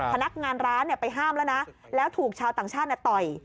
พนักงานร้านไปห้ามแล้วนะแล้วถูกชาวต่างชาติต่อย